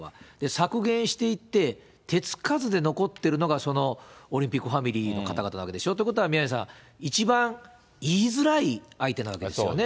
削減していって、手付かずで残っているのが、そのオリンピックファミリーの方々なわけで、ということは宮根さん、一番言いづらい相手なわけですよね。